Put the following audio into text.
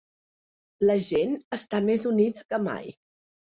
La gent està més unida que mai.